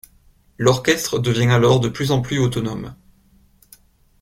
L'orchestre devient alors de plus en plus autonome.